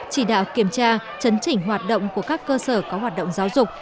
chỉ đạo kiểm tra chấn chỉnh hoạt động của các cơ sở có hoạt động giáo dục